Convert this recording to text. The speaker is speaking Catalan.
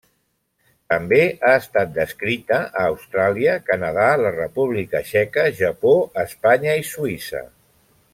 També ha estat descrita a Austràlia, Canadà, la República Txeca, Japó, Espanya i Suïssa.